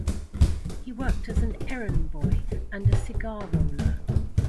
He worked as an errand boy and a cigar-roller.